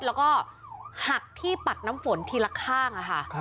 แล้วก็หักที่ปัดน้ำฝนทีละข้างค่ะ